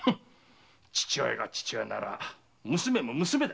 父親が父親なら娘も娘だ。